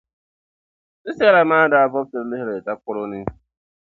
Sisɛra ma daa vɔbisiri lihiri takɔro ni.